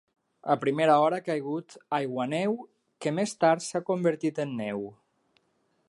A primera hora ha caigut aiguaneu que més tard s’ha convertit en neu.